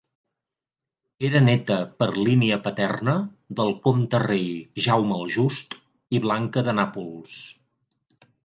Era néta per línia paterna del comte-rei Jaume el Just i Blanca de Nàpols.